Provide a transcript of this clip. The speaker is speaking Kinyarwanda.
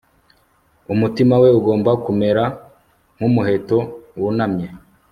Umutima we ugomba kumera nkumuheto wunamye